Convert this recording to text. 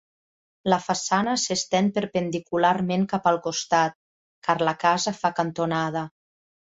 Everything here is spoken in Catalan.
La façana s'estén perpendicularment cap al costat, car la casa fa cantonada.